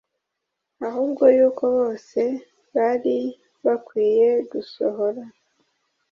ahubwo yuko bose bari bakwiye gusohora